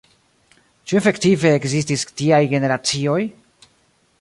ĉu efektive ekzistis tiaj generacioj?